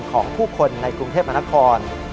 ของผู้คนในกรุงเทพมนาคม